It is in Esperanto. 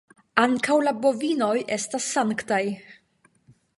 Ankaŭ la bovinoj estas sanktaj.